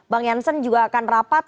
bang jansen juga akan rapat